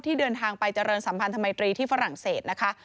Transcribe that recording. เดินทางไปเจริญสัมพันธมิตรีที่ฝรั่งเศสนะคะ